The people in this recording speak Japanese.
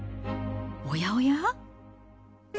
おやおや？